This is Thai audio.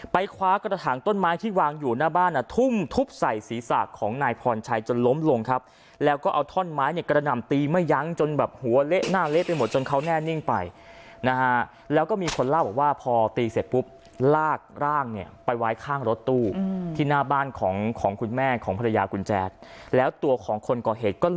คว้ากระถางต้นไม้ที่วางอยู่หน้าบ้านอ่ะทุ่มทุบใส่ศีรษะของนายพรชัยจนล้มลงครับแล้วก็เอาท่อนไม้เนี่ยกระหน่ำตีไม่ยั้งจนแบบหัวเละหน้าเละไปหมดจนเขาแน่นิ่งไปนะฮะแล้วก็มีคนเล่าบอกว่าพอตีเสร็จปุ๊บลากร่างเนี่ยไปไว้ข้างรถตู้ที่หน้าบ้านของของคุณแม่ของภรรยาคุณแจ๊ดแล้วตัวของคนก่อเหตุก็